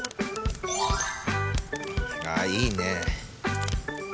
あいいね。